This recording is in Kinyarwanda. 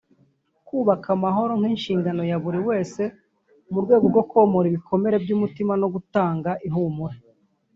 Kubaka amahoro nk’inshingano ya buri wese mu rwego rwo komora ibikomere by’umutima no gutanga ihumure